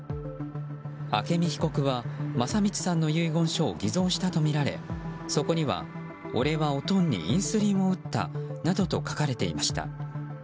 朱美被告は聖光さんの遺言書を偽造したとみられそこには俺は、おとんにインスリンを打ったなどと書かれていました。